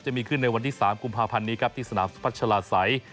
จะมีขึ้นในวันที่๓กุมภาพันธ์นี้ครับที่สนามสุพัชลาศัย